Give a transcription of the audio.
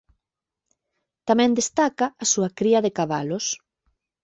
Tamén destaca a súa cría de cabalos.